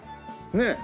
ねえ。